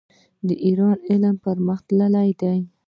د ایران علم پرمختللی دی.